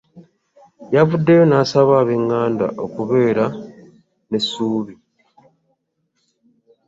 Yavuddeyo n'asaba Ab'eŋŋanda okubeera n'essuubi